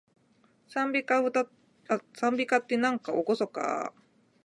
讃美歌って、なんかおごそかー